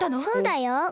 そうだよ。